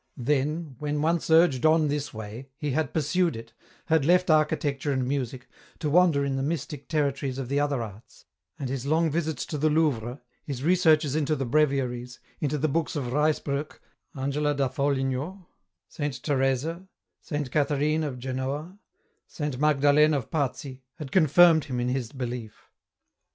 Then when once urged on this way, he had pursued it, had left architecture and music, to wander in the mystic territories of the other arts, and his long visits to the Louvre, his researches into the breviaries, into the books of Ruysbrock, Angela da Foligno, Saint Teresa, Saint Catherine of Genoa, Saint Magdalen of Pazzi, had confirmed him in his belief.